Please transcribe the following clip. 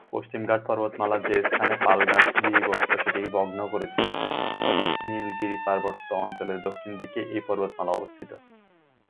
পশ্চিমঘাট পর্বতমালার যে স্থানে পালঘাট গিরিবর্ত্ম সেটিকে ভগ্ন করেছে, তথা নীলগিরি পার্বত্য অঞ্চলের দক্ষিণ দিকে এই পর্বতমালা অবস্থিত।